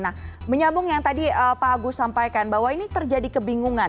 nah menyambung yang tadi pak agus sampaikan bahwa ini terjadi kebingungan